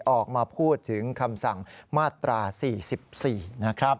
ออกมาพูดถึงคำสั่งมาตรา๔๔นะครับ